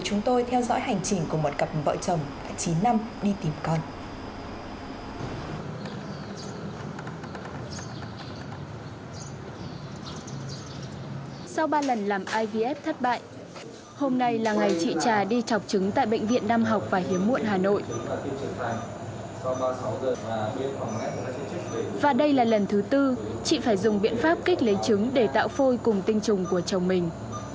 chị phải dùng biện pháp kích lấy trứng để tạo phôi cùng tinh trùng của chồng mình